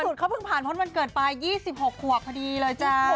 ล่าสุดเค้าเพิ่งผ่านพร้อมวันเกิดปลาย๒๖ขวดพอดีเลยจ้า